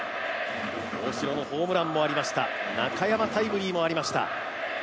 大城のホームランもありました中山、タイムリーもありました。